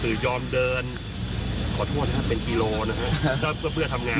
คือยอมเดินขอโทษนะครับเป็นกิโลนะฮะก็เพื่อทำงาน